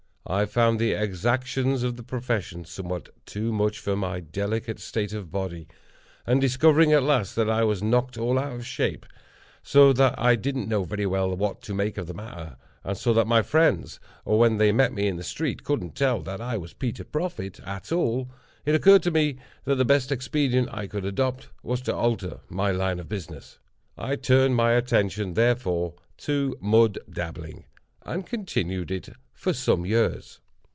I found the exactions of the profession somewhat too much for my delicate state of body; and, discovering, at last, that I was knocked all out of shape, so that I didn't know very well what to make of the matter, and so that my friends, when they met me in the street, couldn't tell that I was Peter Proffit at all, it occurred to me that the best expedient I could adopt was to alter my line of business. I turned my attention, therefore, to Mud Dabbling, and continued it for some years.